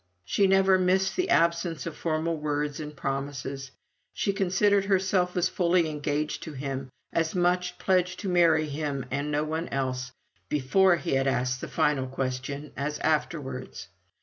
She never missed the absence of formal words and promises. She considered herself as fully engaged to him, as much pledged to marry him and no one else, before he had asked the final question, as afterwards.